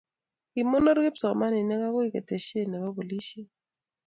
kimonor kipsomaninik okoi keteshe ne bo polishie.